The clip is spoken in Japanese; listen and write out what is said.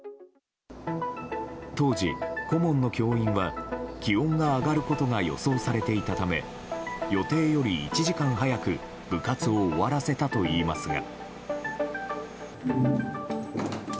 当時、顧問の教員は気温が上がることが予想されていたため予定より１時間早く部活を終わらせたといいますが。